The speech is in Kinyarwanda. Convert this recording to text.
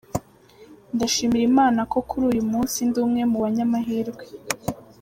Ndashimira Imana ko kuri uyu munsi ndi umwe mu banyamahirwe.